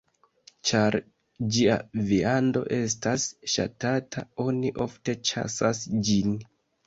Ĉar ĝia viando estas ŝatata, oni ofte ĉasas ĝin.